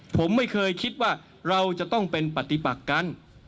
ผมไม่เคยคิดว่าเราจะต้องเป็นปฏิปักกัน